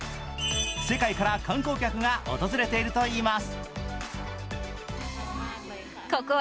世界から観光客が訪れているといいます。